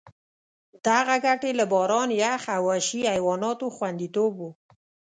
دغه ګټې له باران، یخ او وحشي حیواناتو خوندیتوب وو.